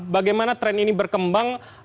bagaimana tren ini berkembang